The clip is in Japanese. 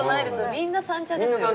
みんな「三茶」ですよ